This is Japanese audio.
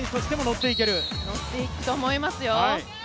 ッていくと思いますよ。